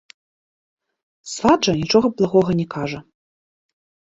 Сват жа нічога благога не кажа.